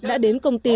đã đến công ty